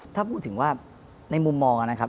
ถ้าพูดถึงว่าในมุมมองนะครับ